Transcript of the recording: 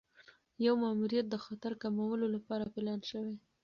یو ماموریت د خطر کمولو لپاره پلان شوی.